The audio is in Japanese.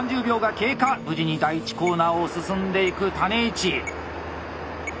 無事に第１コーナーを進んでいく種市。